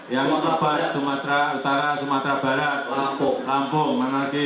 yang keempat sumatera utara sumatera barat lampung mana lagi